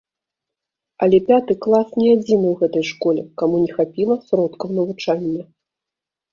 Але пяты клас не адзіны ў гэтай школе, каму не хапіла сродкаў навучання.